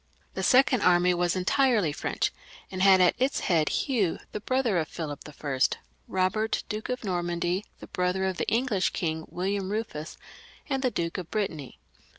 The second army was en tirely French, and had at its head, Hugh the brother of Philip L ; Eobert, Duke of Normandy, the brother of the English king, William Eufus ; and the Duke of Brittany.